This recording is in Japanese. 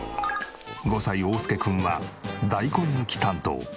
５歳おうすけ君は大根抜き担当。